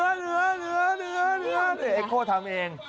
เอ็กโค่ทำเอง